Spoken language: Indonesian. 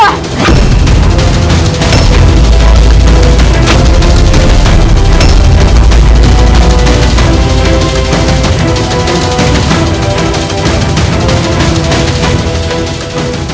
jangan lupa untuk berlangganan